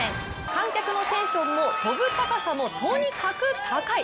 観客のテンションも、跳ぶ高さもとにかく高い。